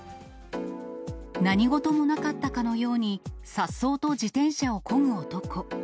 何事もなかったかのように、さっそうと自転車をこぐ男。